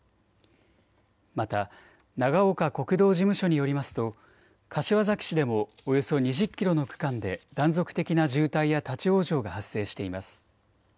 また長岡国道事務所によりますと柏崎市でもおよそ２０キロの区間で断続的な渋滞や立往生が発生しています。